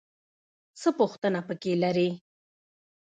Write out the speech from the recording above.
څه پوښتنه پکې لرې؟